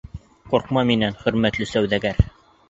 — Ҡурҡма минән, хөрмәтле сауҙагәр.